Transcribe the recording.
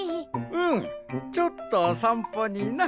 うんちょっとさんぽにな。